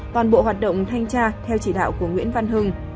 toàn bộ hoạt động thanh tra theo chỉ đạo của nguyễn văn hưng